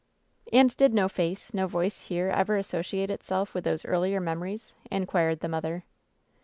'^ "And did no face, no voice here ever associate itself with those earlier memories ?" inquired the mother.